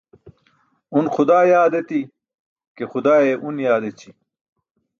Un xudaa yaad eti̇ ke, xudaa une yaad eći.